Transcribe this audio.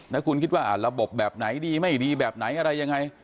ถ้าคุณคิดว่าระบบแบบไหนดีไม่ดีแบบไหนอะไรยังไง